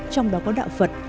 trong đó có đạo phật